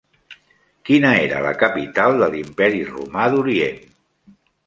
Quina era la capital de l'Imperi Romà d'Orient?